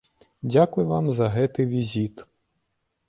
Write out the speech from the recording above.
Дзякуй вам за гэты візіт.